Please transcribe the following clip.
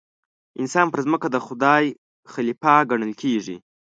انسان پر ځمکه د خدای خلیفه ګڼل کېږي.